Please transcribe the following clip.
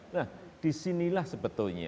nah disinilah sebetulnya